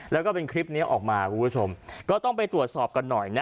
แล้วก็เป็นคลิปนี้ออกมาคุณผู้ชมก็ต้องไปตรวจสอบกันหน่อยนะ